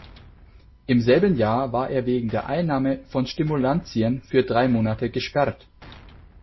Im selben Jahr war er wegen der Einnahme von Stimulanzien für drei Monate gesperrt.